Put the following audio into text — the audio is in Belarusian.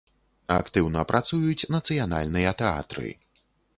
Актыўна працуюць нацыянальныя тэатры.